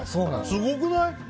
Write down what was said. すごくない？